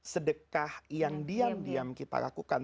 sedekah yang diam diam kita lakukan